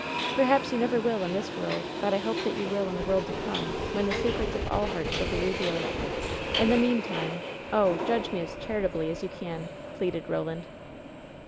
"Perhaps you never will in this world, but I hope that you will in the world to come, when the secrets of all WHEN SHADOWS DIE 97 hearts shall be revealed. In the meantime— oh, judge me as charitably as you can!" pleaded Roland.